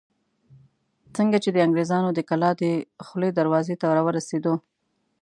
څنګه چې د انګرېزانو د کلا دخولي دروازې ته راورسېدو.